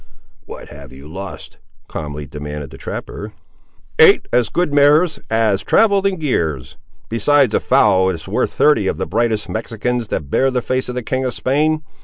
"What have you lost?" calmly demanded the trapper. "Eight as good mares as ever travelled in gears, besides a foal that is worth thirty of the brightest Mexicans that bear the face of the King of Spain.